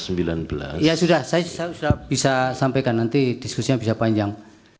saya bisa sampaikan nanti diskusinya bisa panjang